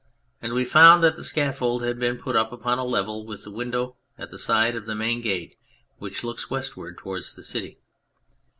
And we found that the scaffold had been put up upon a level with the window at the side of the main gate, which looks westward towards the City.